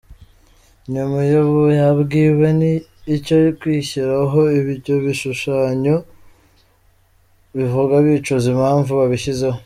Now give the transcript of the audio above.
Nyuma iyo babwiwe icyo kwishyiraho ibyo bishushanyo bivuga bicuza impamvu babishyizeho.